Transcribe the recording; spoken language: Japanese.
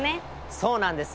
そうなんです。